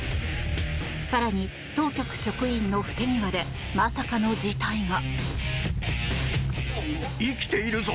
更に、当局職員の不手際でまさかの事態が。